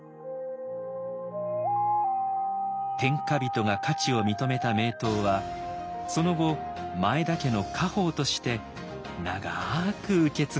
天下人が価値を認めた名刀はその後前田家の家宝として長く受け継がれていきました。